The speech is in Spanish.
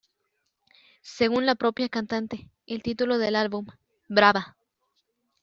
Según la propia cantante, el título del álbum —"Brava!